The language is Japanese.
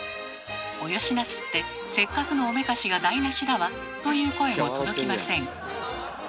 「およしなすってせっかくのおめかしが台なしだわ」という声も届きません。